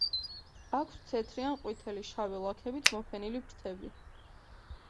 აქვთ თეთრი ან ყვითელი, შავი ლაქებით მოფენილი ფრთები.